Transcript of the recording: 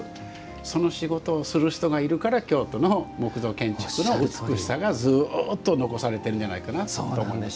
その仕事をする人がいるから京都の木造建築の美しさがずっと残されているんじゃないかなと思うんです。